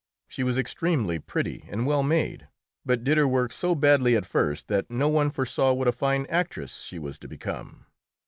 She was extremely pretty and well made, but did her work so badly at first that no one foresaw what a fine actress she was to become.